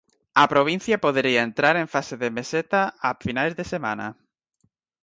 A provincia podería entrar en fase de meseta a finais de semana.